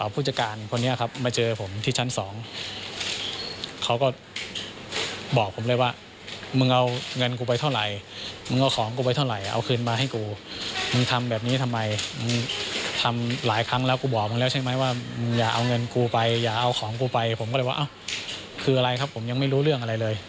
ต่อยที่ขมับขวาผมทีหนึ่งต่อยที่ชั้นสองทีหนึ่ง